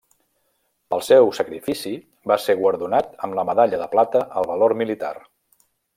Pel seu sacrifici va ser guardonat amb la medalla de plata al valor militar.